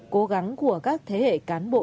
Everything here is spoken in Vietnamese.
cố gắng của các thế hệ cán bộ